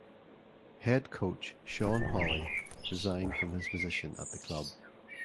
Head Coach Sean Holley resigned from his position at the club.